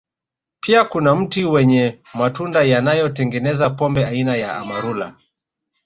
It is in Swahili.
Pia kuna mti wenye matunda yanayotengeneza pombe aina ya Amarula